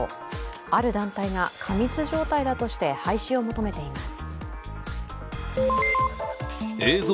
ある団体が過密状態だとして廃止を求めています。